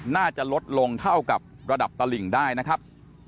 น่าจะลดลงเท่ากับระดับตลิ่งได้นะครับ